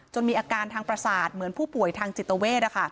มีอาการทางประสาทเหมือนผู้ป่วยทางจิตเวท